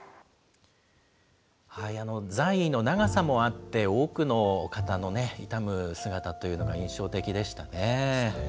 在位の長さもあって、多くの方の悼む姿というのが印象的でしたね。